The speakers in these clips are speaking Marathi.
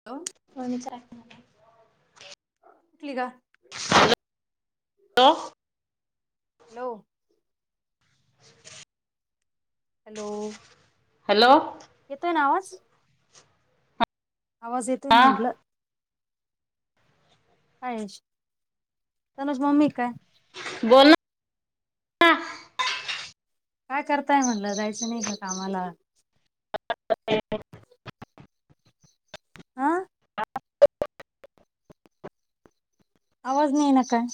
हॅलो. [unintelligible] उठली का. हॅलो. हॅलो. हॅलो हॅलो येतोय ना आवाज आवाज येतोय हा म्हटलं. काय तनुची मम्मी काय? बोलना काय करताय? म्हणलं जायचं नाही का कामाला? [unintelligible] आं आवाज नाही येइ ना काय?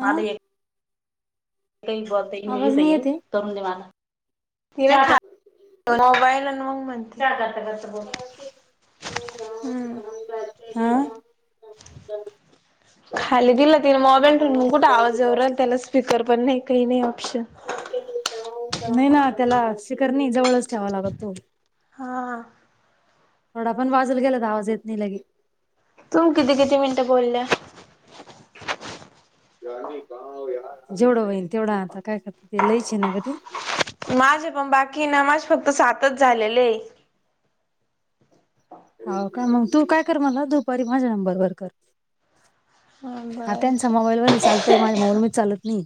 हा माला एक काही बत नाही आवाज त येते? [unintelligible] करुण दे मला फिरा तो मोबाइल [unintelligible] हम्म ह अ खाली दिलं तिने मोबाईल ठेून म कुठे आवाज येउ राहिला त्याला स्पीकर पण नाही काही नाही ऑप्शन [inaudible] नाही ना त्याला स्पीकर नाही जवळच ठेवायला लागतो हां आ थोडा पण बाजूला गेला तर आवाज येत नहि लगेच तूम्ही किती किती मिनटं बोलल्या? [inaudible] जेवढं होईल तेवढं आता काय करती लईचे ना ग ते माझे पण बाकी ना माझे फक्त सातच झालेले आहे. हो का मग तू काय कर मला दुपारी माझ्या नंबर वर कर. हा त्यांचा मोबाईल मध्ये चालतंय माझ्या मोबाईल मध्ये चालत नाही.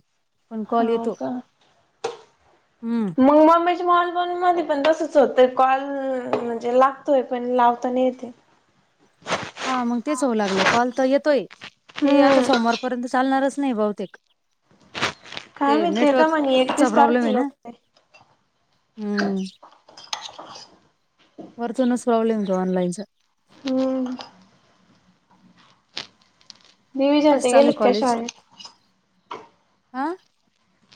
पण कॉल हो येतो....... का हम्म मग मम्मीच्या मॉल बन मध्ये पण तसच होतं कॉल म्हणजे लागतोय पण लावता नाही तेे [unintelligible] हा मग तेच होऊ लागलं कॉल तर येतोय ते आता हम्म सोमवारपर्यंत चालणारच नाही बहुतेक. ते काय माहिती येत म्हणे नेटवर्कचा एकतीस प्रॉब्लेम आहे तारखेला ना.... होते. हम्म वरतुनचं प्रॉब्लेम ए तो ऑनलाइन चा. हम्म... डिव्हिजन कस ते चालु ए गेलेत का कॉलेज... शाळेत? अ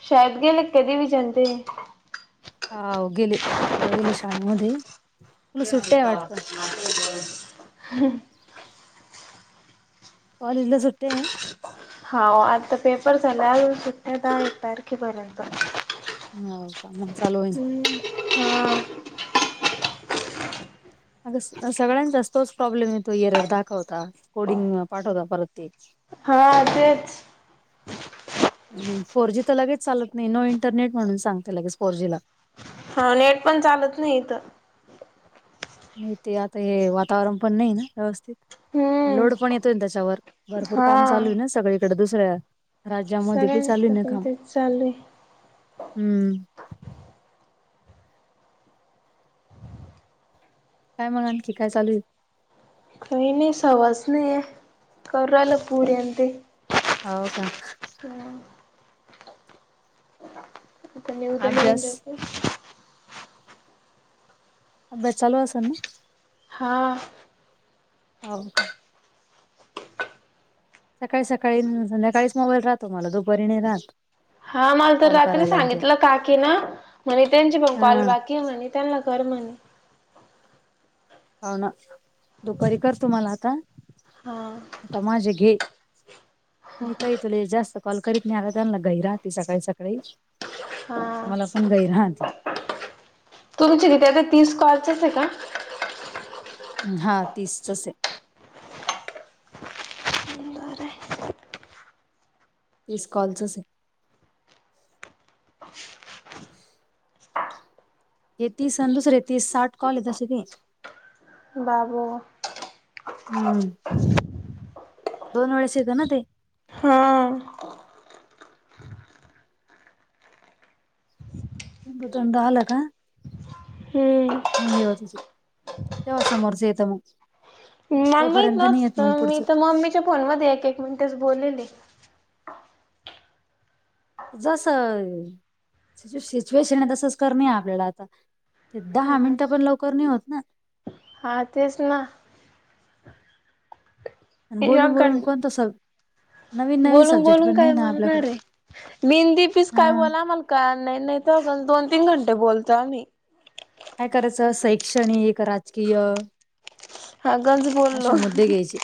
शाळेत दिली का डिव्हीजन त्यांनि हाव गेले पोरं गेले शाळेमध्ये तुला सुट्ट्या आहे वाटत. [inaudible] हम्म कॉलेजला सुट्या ए हाव आता पेपर झालाय अजून सुट्या येत दहा एक तारीखे पर्यंत. होय प्रोब्लेम चालुये सध्या हा. [unintelligible] अग सगळ्यांचा तोच प्रॉब्लेम आहे तो एरर दाखवता. फोल्डिंग पाठवता परत ते. हा तेच. [inaudible] फोर जी तर लगेच चालत नाही नो इंटरनेट म्हणून सांगते लगेच फोर जी ला. हा नेट पण चालत नाही इथं. नाही ते आता हे वातावरण पण नाही ना व्यवस्थित हम्म लोड पण येतोय ना त्याच्यावर. भरपूर काम चालू हा. आहे ना सगळीकडे दुसऱ्या राज्यामध्ये पण सगळ्यांच चालू आहे ना पण काम. तेच चालू आहे हम्म. काय मग आणखी काय चालू आहे. काय नाही सवासने आहे करू राहिला पुरी आणि ते. हाव का. त्यांना येऊ अभ्यास दे. [unintelligible] अभ्यास चालू असं ना. हा. हाव का सकाळी सकाळी संध्याकाळीच मोबाईल राहतो मला दुपारी नाही राहत. हा मला तर कॉल रात्री करायला आणि ते सांगितलं काकी ना म्हणे त्यांची पण हा कॉल बाकी घे म्हणे त्याला कर म्हणे. हो ना दुपारी कर तुम्हाला आता. हा. आता माझ घे मी काय तुले जास्त कॉल करीत नाही आला त्यांना घई राहते सकाळी सकाळी हा मला पण घई राहत. तुमचे किती आहेत तीस कॉलच आहे का? हा तीसचा आहे. तीस कॉलच आहे. ह. [unintelligible] हे तीस आणि दुसरे तीस साठ कॉल कसे घ्यायचे. बाबो. हम्म. दोन वेळेस येते ना ते. हम्म. [unintelligible] आलं का? हम्म. मग येव तेव्हा समोरच येतं मग. मला माहित तोपर्यंत नाही येत मग नव्हतं मी पुढचं तर मम्मीच्या फोन मध्ये एक एक मिनिटेच बोललेले. जसं सिच्युएशन आहे तसंच करणे आपल्याला आता ते दहा मिनिटं पण लवकर नाही होत ना. हा तेच ना. बोलून बोलून पण तसंच. नवीन नवीन बोलून सब्जेक्ट बोलून काय आपल्याकडं बोलणार आहे मेहंदी पीस हा काय बोला म्हण काय नाही नाही तर दोन तीन घंटे बोलतो आम्ही. काय करायचं शैक्षणिक, राजकीय हा गंज असे बोललो. मुद्दे घ्यायचे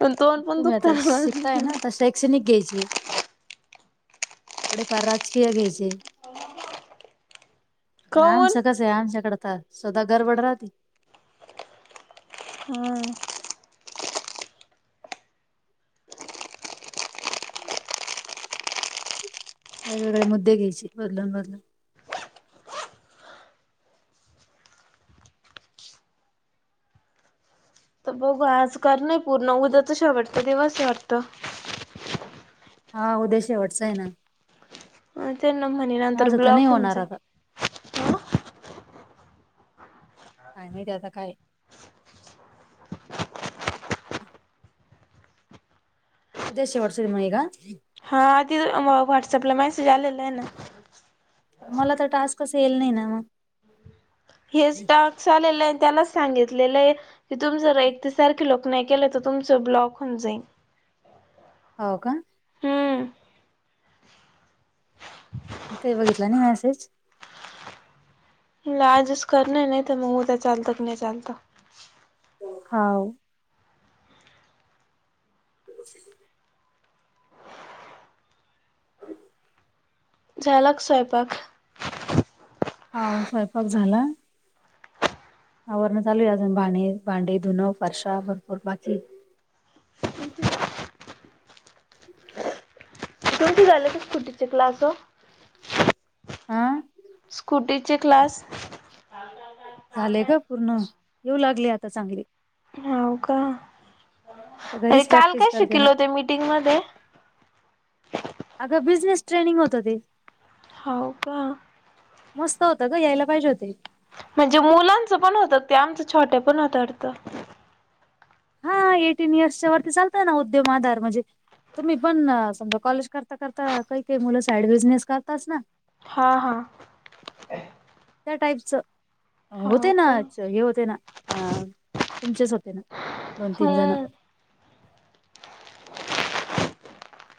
पण तोंड पण तुम्ही दुखत आता शिकताय ना आ तर शैक्षणिक घ्यायची. थोडे फार राजकीय घ्यायचे. काऊन? आमचं कस आहे आमच्याकड त स्वतः गरबड राहते. होय. वेगवेगळे मुद्दे घ्यायचे बदलून बदलून. त बघू आज कर नाही पूर्ण उद्या चा शेवटचा दिवस वाटतं. हा उद्या शेवटचं आहे ना. अ त्यांन म्हणे नंतर माझं तर नाही ब्लॉक होऊ होणार जाईल. आता काय माहित आता काय. ते शेवटचे मुलगी का? हा तिथ व्हॉट्सअपला मेसेज आलेला आय ना. मला तर टास्क येईल नाही ना मग हेच टाक्स आलेलं आहे त्यालाच सांगितलेलं हे. तुमी जर एकते एकटसारख लोक नाही केलं तर तुमचं ब्लॉक होऊन जाईल. हव का? हम्म. काही बघितलं नाही मॅसेज. तुला आजच करण नाही तर मग उद्या चालतं की नाही चालतं. हाव. [unintelligible] झाला क स्वयंपाक? हाव स्वयंपाक झाला. आवरण चालू आहे आताअजून भांडे भांडे धुन फारशा भरपूर बाकी. [unintelligible] कीती झाले आहे की स्कुटीचे क्लास हो? आ? स्कुटीचे क्लास? झाले ग पूर्ण येऊ लागली आता चांगली. हवका आता अरे घरीच काल प्रॅक्टिस काय करते शिकल ना होते मीटिंग मध्ये? अग बिझनेस ट्रेनिंग होत ते. हव का? मस्त होतं ग यायला पाहिजे होते. म्हणजे मुलांचं पण होतं ते आमचं छोटे पण होत वाटं. हा एटीन इयरच्या वरती चालतय ना उद्यम आधार म्हणजे. तुम्ही पण समजा कॉलेज करता करता काही काही मुलं साईड बिजनेस करतात ना. हा हा. त्या टाईपचं. हाव होते ना का हे होते ना अ तुमचेच होते ना दोन तीन जण. हम्म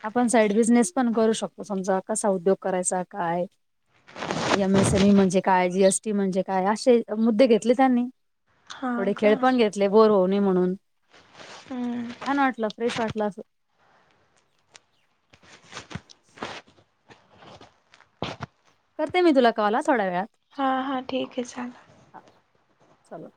आपण साईड बिझनेस पण करू शकतो समजा कसा उद्योग करायचा काय? एम एसएमई म्हणजे काय जीएसटी म्हणजे काय असे मुद्दे घेतले त्यांनी. हा थोडे का खेळ पण घेतले बोर होऊ म्हणून हम्म छान वाटलं फ्रेश वाटलं अस. करते मी तुला कॉल आ थोड्या वेळात. हां ठीक आहे चालल. हा चल.